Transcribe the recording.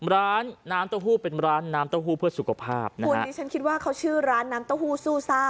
ร้านน้ำเต้าหู้เป็นร้านน้ำเต้าหู้เพื่อสุขภาพนะคุณดิฉันคิดว่าเขาชื่อร้านน้ำเต้าหู้ซู่ซ่า